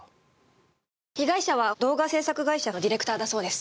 被害者は動画制作会社のディレクターだそうです。